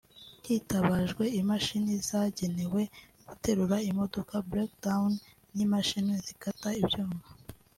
Hitabajwe iimashini zagenewe guterura imodoka (breakdown) n’imashini zikata ibyuma